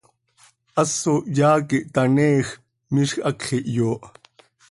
Haso hyaa quih htaneeej, miizj hacx ihyooh.